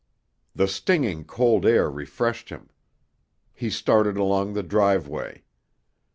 The stinging cold air refreshed him. He started along the driveway.